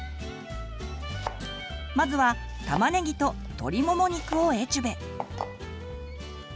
まずはたまねぎと鶏もも肉をエチュベ。